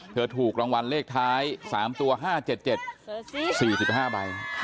ถูกรางวัลเลขท้าย๓ตัว๕๗๗๔๕ใบ